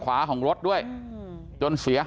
ครับพี่หนูเป็นช้างแต่งหน้านะ